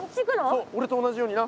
そうおれと同じようにな。